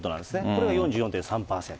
これが４４．３％。